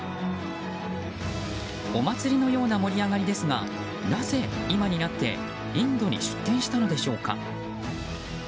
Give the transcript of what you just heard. お祭りのような盛り上がりですがなぜ今になってインドに出店したのでしょうか。